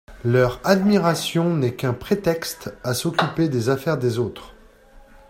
Leur admiration n’est qu’un prétexte à s’occuper des affaires des autres.